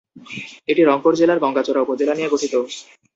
এটি রংপুর জেলার গংগাচড়া উপজেলা নিয়ে গঠিত।